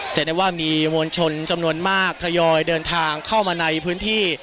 จะได้ว่ามีมวลชนจำนวนมากทยอยเดินทางเข้ามาในพื้นที่